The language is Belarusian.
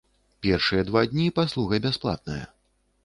Першыя два дні паслуга бясплатная.